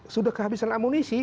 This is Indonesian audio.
sudah kehabisan amunisi